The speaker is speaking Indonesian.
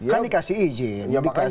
kan dikasih izin